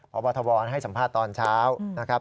พบทวรให้สัมภาษณ์ตอนเช้านะครับ